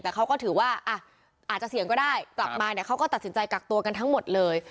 แต่เขาก็ถือว่าอาจจะเสี่ยงก็ได้กลับมาเนี่ยเขาก็ตัดสินใจกักตัวกันทั้งหมดเลย